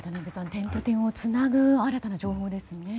点と点をつなぐ新たな情報ですね。